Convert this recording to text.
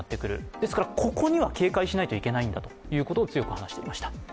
ですからここには警戒しないといけないんだということを強く話していました。